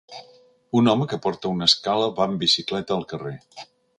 Un home que porta una escala va amb bicicleta al carrer